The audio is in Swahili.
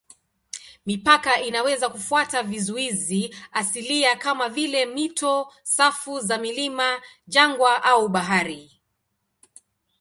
Mipaka inaweza kufuata vizuizi asilia kama vile mito, safu za milima, jangwa au bahari.